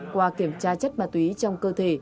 qua kiểm tra chất bà túy trong cơ thể